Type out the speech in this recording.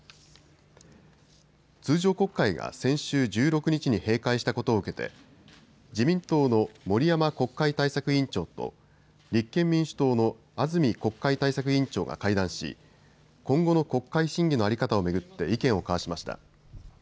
通常国会が先週１６日に閉会したことを受けて自民党の森山国会対策委員長と立憲民主党の安住国会対策委員長が会談し、今後の国会審議の在り方を巡って意見を交わしました。